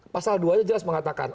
pasal dua nya jelas mengatakan